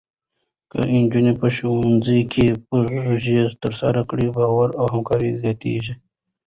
که نجونې په ښوونځي کې پروژې ترسره کړي، باور او همکاري زیاتېږي.